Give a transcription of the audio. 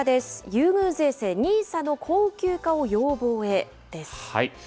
優遇税制、ＮＩＳＡの恒久化を要望へです。